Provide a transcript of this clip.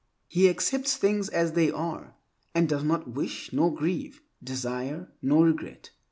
He accepts things as they are, and does not wish nor grieve, desire nor regret.